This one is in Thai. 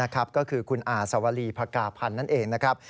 ก็คือคุณอาสวรีภกาพันธ์นั่นเองนะครับ